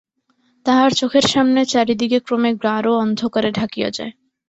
তাহার চোখের সামনে চারিদিক ক্রমে গাঢ় অন্ধকারে ঢাকিয়া যায়।